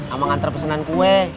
amang antar pesenan kue